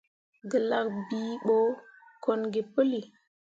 Gǝlak bii ɓo kon gi puli.